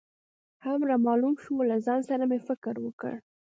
هم رامعلوم شو، له ځان سره مې فکر وکړ.